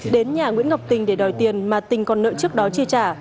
đến nhà nguyễn ngọc tình để đòi tiền mà tình còn nợ trước đó chi trả